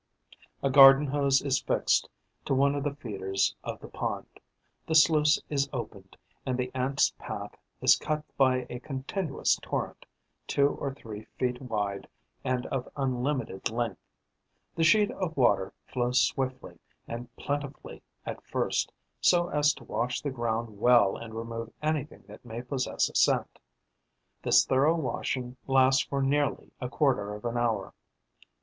A garden hose is fixed to one of the feeders of the pond; the sluice is opened; and the Ants' path is cut by a continuous torrent, two or three feet wide and of unlimited length. The sheet of water flows swiftly and plentifully at first, so as to wash the ground well and remove anything that may possess a scent. This thorough washing lasts for nearly a quarter of an hour.